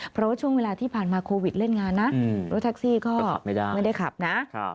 เพราะว่าช่วงเวลาที่ผ่านมาโควิดเล่นงานนะรถแท็กซี่ก็ไม่ได้ขับนะ